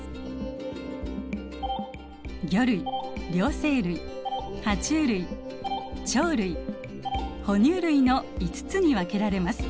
魚類両生類ハチュウ類鳥類哺乳類の５つに分けられます。